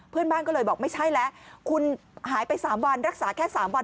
เพื่อนบ้านก็เลยบอกไม่ใช่แล้วคุณหายไป๓วันรักษาแค่๓วัน